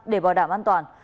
để bảo đảm an toàn